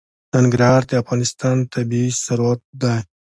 ننګرهار د افغانستان طبعي ثروت دی.